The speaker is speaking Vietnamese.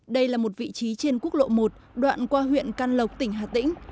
đây là một vị trí trên quốc lộ một đoạn qua huyện can lộc tỉnh hà tĩnh